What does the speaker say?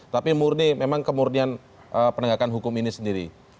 tapi murni memang kemurnian penegakan hukum ini sendiri